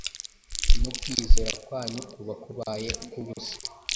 no kwizera kwanyu kuba kubaye uk’ubusa.